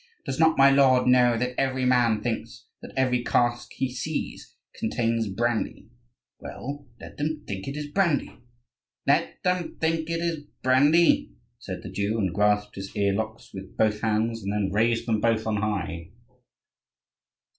Does not my lord know that every man thinks that every cast he sees contains brandy?" "Well, let them think it is brandy." "Let them think it is brandy?" said the Jew, and grasped his ear locks with both hands, and then raised them both on high.